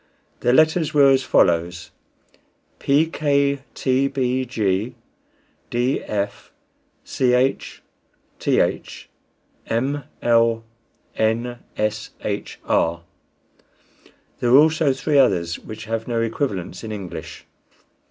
Their letters were as follows: P, K, T, B, G, D, F, Ch, Th, M, L, N, S, H, R. There were also three others, which have no equivalents in English.